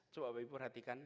coba bapak ibu perhatikan